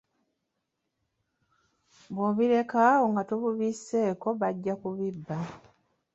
Bw'obireka awo nga tobibisseeko bajja ku bibba.